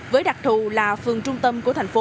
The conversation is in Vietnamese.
với đặc thù là phường trung tâm của thành phố